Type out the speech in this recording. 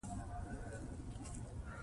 بادام د افغانستان د زرغونتیا نښه ده.